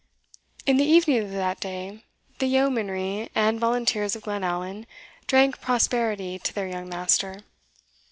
In the evening of that day, the yeomanry and volunteers of Glenallan drank prosperity to their young master.